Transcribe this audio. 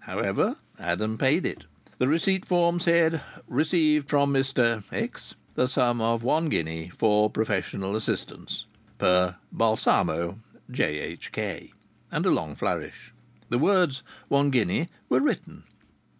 However, Adam paid it. The receipt form said: "Received from Mr the sum of one guinea for professional assistance. Per Balsamo, J.H.K.," and a long flourish. The words "one guinea" were written.